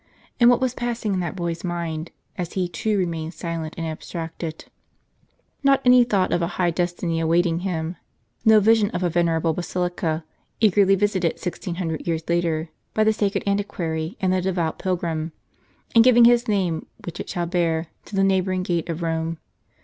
And what was passing in that boy's mind, as he too remained silent and abstracted ? Not any thought of a high destiny awaiting him. No vision of a venerable Basilica, eagerly visited 1600 years later by the sacred antiquary and the devout pilgrim, and giving his name, which it shall bear, to the neighboring gate of Rome.